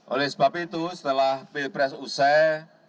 oleh sebab itu setelah pilpres usai